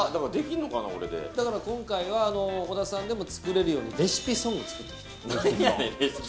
今回は小田さんでも作れるようにレシピソング、作ってきた。